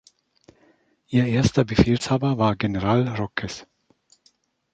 Ihr erster Befehlshaber war General Roques.